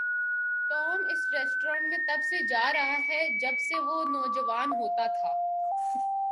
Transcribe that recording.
Tom اس ریستوران میں تب سے جا رہا ہے جب سے وہ نوجوان ہوتا تھا۔